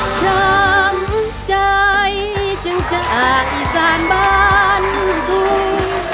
ช้ำใจจึงจากอีสานบ้านกรุง